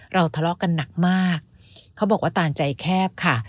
ทะเลาะกันหนักมากเขาบอกว่าตานใจแคบค่ะ